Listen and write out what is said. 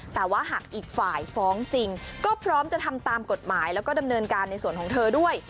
แต่ว่าหากอีกฝ่ายฟ้องจริงก็พร้อมจะทำตามกฎหมายแล้วก็ดำเนินการในส่วนของเธอด้วย